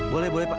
boleh boleh pak